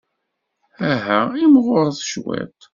Aha, imɣuret cwiṭ!